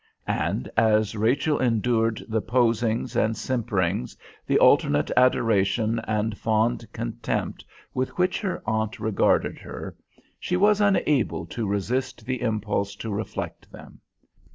And as Rachel endured the posings and simperings, the alternate adoration and fond contempt with which her aunt regarded her, she was unable to resist the impulse to reflect them.